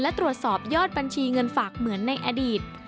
และตรวจสอบยอดบัญชีเงินฝากเหมือนในอดีต